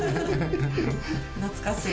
懐かしい？